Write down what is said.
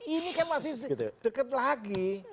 ini kan masih dekat lagi